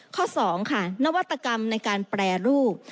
ข้อ๒ค่ะนวัตกรรมในการแปรรูป